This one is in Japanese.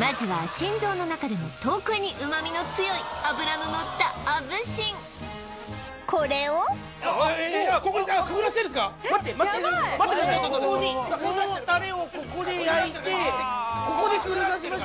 まずは心臓の中でも特に旨味の強い脂ののったアブシンこれをここにくぐらせるんですか？